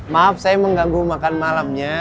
maaf saya mengganggu makan malamnya